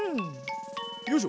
よいしょ。